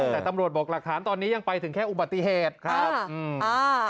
แต่ตำรวจบอกหลักฐานตอนนี้ยังไปถึงแค่อุบัติเหตุครับอืมอ่า